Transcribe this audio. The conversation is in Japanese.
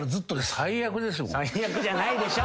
最悪じゃないでしょ！